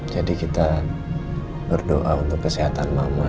jadi kita berdoa untuk kesehatan mama